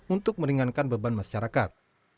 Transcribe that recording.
untuk meringankan beban masyarakat